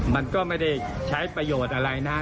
มันก็ไม่ได้ใช้ประโยชน์อะไรนะ